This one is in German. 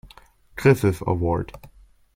Griffith Award.